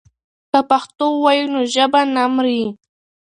که پښتو ووایو نو ژبه نه مري.